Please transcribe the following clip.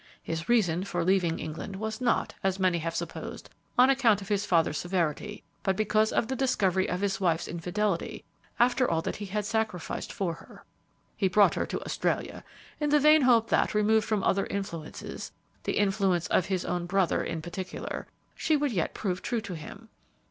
His reason for leaving England was not, as many have supposed, on account of his father's severity, but because of the discovery of his wife's infidelity after all that he had sacrificed for her. He brought her to Australia in the vain hope that, removed from other influences the influence of his own brother, in particular, she would yet prove true to him.